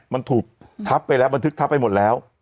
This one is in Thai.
มันถูกทับไปแล้วบันทึกทับไปหมดแล้ว